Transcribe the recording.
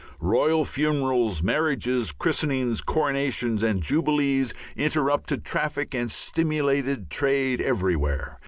Royal funerals, marriages, christenings, coronations, and jubilees interrupted traffic and stimulated trade everywhere.